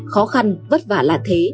khó khăn vất vả là thế